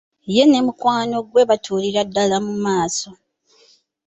Ye ne mukwano gwe batuulira ddala mu maaso.